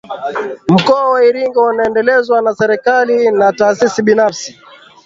mkoa wa iringa unaendelezwa na serikali na taasisi binafsi